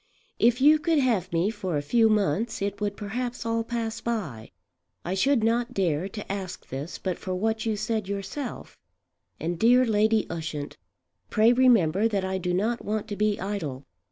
If you could have me for a few months it would perhaps all pass by. I should not dare to ask this but for what you said yourself; and, dear Lady Ushant, pray remember that I do not want to be idle.